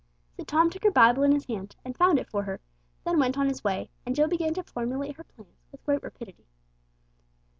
So Tom took her Bible in his hand and found it for her, then went on his way; and Jill began to formulate her plans with great rapidity.